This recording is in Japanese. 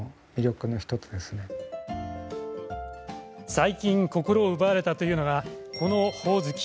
最近、心を奪われたというのがこのホオズキ。